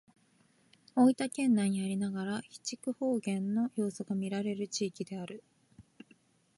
大分県内にありながら肥筑方言の要素がみられる地域である。